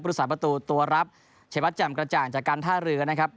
บริษัทประตูตัวรับเฉพาะแจ่มกระจ่างจากการท่าเรือนะครับ